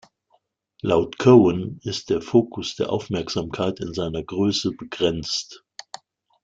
Laut Cowan ist der Focus der Aufmerksamkeit in seiner Größe begrenzt.